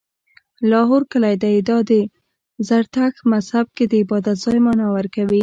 لاهور کلی دی، دا د زرتښت مذهب کې د عبادت ځای معنا ورکوي